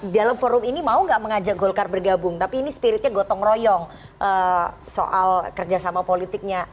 dalam forum ini mau gak mengajak golkar bergabung tapi ini spiritnya gotong royong soal kerjasama politiknya